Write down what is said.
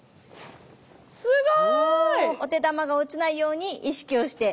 すごい！お手玉が落ちないように意識をして。